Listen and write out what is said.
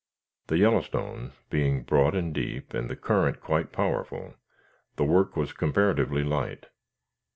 The Yellowstone, being broad and deep and the current quite powerful, the work was comparatively light.